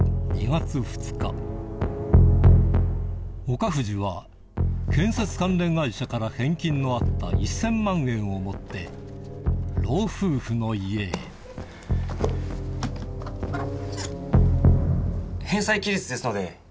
岡藤は建設関連会社から返金のあった１０００万円を持って老夫婦の家へあの。